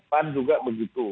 pan juga begitu